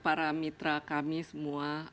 para mitra kami semua